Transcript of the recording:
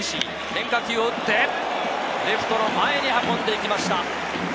変化球を打って、レフトの前に運んでいきました。